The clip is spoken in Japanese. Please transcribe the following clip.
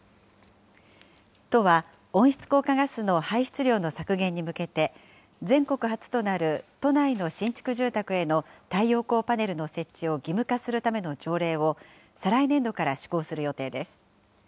都は、温室効果ガスの排出量の削減に向けて、全国初となる都内の新築住宅への太陽光パネルの設置を義務化するための条例を、再来年度から施行する予定です。